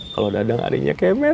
kalo dadang adiknya kayak met